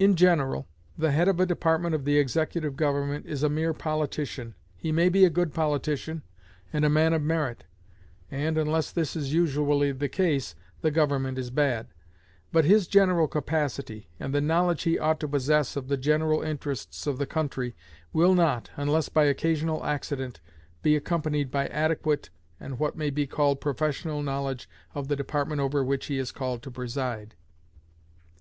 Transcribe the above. In general, the head of a department of the executive government is a mere politician. He may be a good politician, and a man of merit; and, unless this is usually the case, the government is bad. But his general capacity, and the knowledge he ought to possess of the general interests of the country, will not, unless by occasional accident, be accompanied by adequate, and what may be called professional knowledge of the department over which he is called to preside.